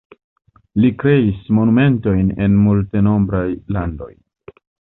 Li kreis monumentojn en multenombraj landoj.